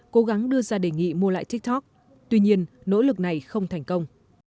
cố gắng đưa ra đề nghị mua lại tiktok tuy nhiên nỗ lực này không thành công